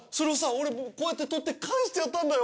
俺こうやって取って返してやったんだよ。